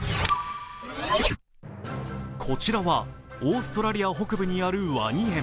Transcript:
こちらはオーストラリア北部にあるワニ園。